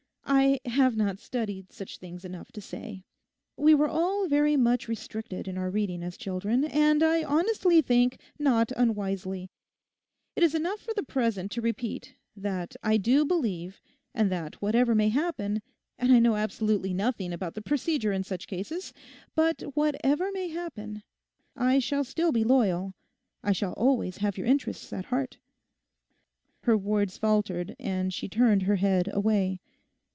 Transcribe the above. I have not studied such things enough to say. We were all very much restricted in our reading as children, and I honestly think, not unwisely. It is enough for the present to repeat that I do believe, and that whatever may happen—and I know absolutely nothing about the procedure in such cases—but whatever may happen, I shall still be loyal; I shall always have your interests at heart.' Her words faltered and she turned her head away.